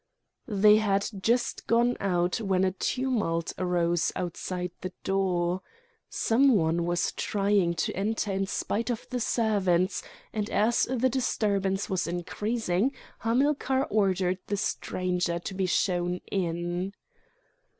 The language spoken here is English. They had just gone out when a tumult arose outside the door. Some one was trying to enter in spite of the servants; and as the disturbance was increasing Hamilcar ordered the stranger to be shown in.